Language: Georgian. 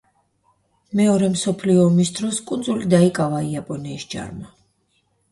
მეორე მსოფლიო ომის დროს კუნძული დაიკავა იაპონიის ჯარმა.